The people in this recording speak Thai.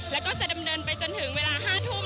แล้วก็จะดำเนินไปจนถึงเวลา๕ทุ่ม